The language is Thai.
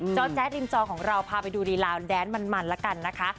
แจ๊ดริมจอของเราพาไปดูรีลาวแดนมันละกันนะคะ